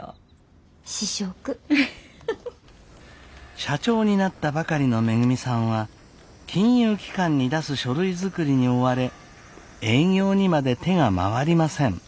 社長になったばかりのめぐみさんは金融機関に出す書類作りに追われ営業にまで手が回りません。